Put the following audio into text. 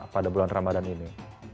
pada bulan ramadhan ini